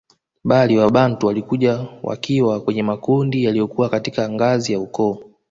Bali Wabantu walikuja wakiwa kwenye makundi yaliyokuwa katika ngazi ya Ukoo